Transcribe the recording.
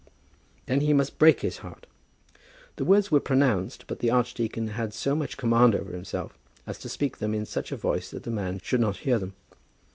"Then he must break his heart." The words were pronounced, but the archdeacon had so much command over himself as to speak them in such a voice that the man should not hear them.